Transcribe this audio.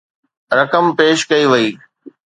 رقم پيش ڪئي وئي.